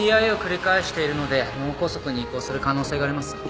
ＴＩＡ を繰り返しているので脳梗塞に移行する可能性があります